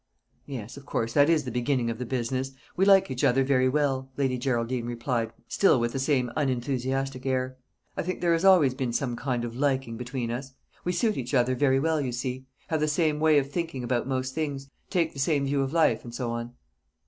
"Yes, of course that is the beginning of the business. We like each other very well," Lady Geraldine replied, still with the same unenthusiastic air. "I think there has always been some kind of liking between us. We suit each other very well, you see; have the same way of thinking about most things, take the same view of life, and so on."